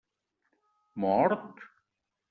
Mort?